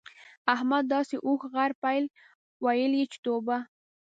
احمد داسې اوښ، غر، پيل؛ ويل چې توبه!